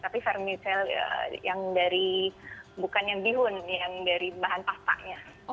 tapi fermentel yang dari bukannya bihun yang dari bahan pastanya